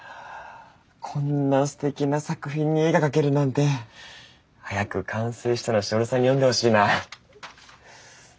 こんなすてきな作品に絵が描けるなんて早く完成したらしおりさんに読んでほしいな。